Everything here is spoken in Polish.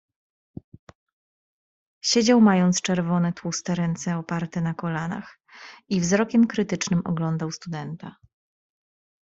"Siedział, mając czerwone tłuste ręce oparte na kolanach i wzrokiem krytycznym oglądał studenta."